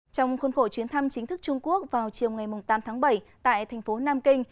trong khuôn khổ chuyến thăm chính thức trung quốc vào chiều ngày tám tháng bảy tại thành phố nam kinh